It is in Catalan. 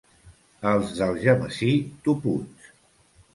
Els d'Algemesí, toputs.